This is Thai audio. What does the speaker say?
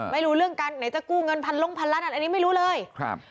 ไม่รู้เรื่องการไหนจะกู้เงินพันลงพันล้านอันนี้ไม่รู้เลยครับ